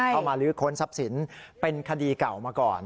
มาลื้อค้นทรัพย์สินเป็นคดีเก่ามาก่อน